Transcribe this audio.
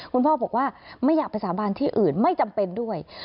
คุณพ่อบอกว่าไม่อยากไปสาบานที่อื่นไม่จำเป็นด้วย